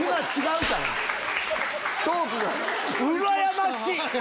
うらやましい！